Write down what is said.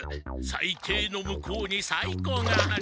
最低の向こうに最高がある。